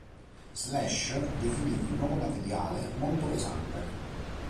Slash definì il nuovo materiale "molto pesante".